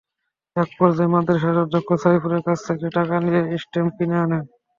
একপর্যায়ে মাদ্রাসার অধ্যক্ষ সাইফুরের কাছ থেকে টাকা নিয়ে স্ট্যাম্প কিনে আনেন।